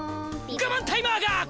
ガマンタイマーが！